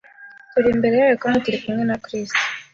turi imbere yayo kandi turi kumwe na Kristo